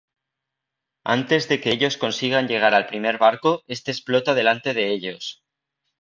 Antes de que ellos consigan llegar al primer barco este explota delante de ellos.